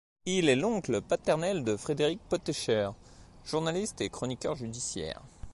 Il est l'oncle paternel de Frédéric Pottecher, journaliste et chroniqueur judiciaire.